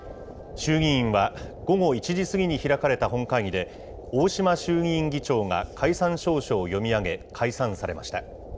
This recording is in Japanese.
衆議院は、午後１時過ぎに開かれた本会議で、大島衆議院議長が解散詔書を読み上げ、解散されました。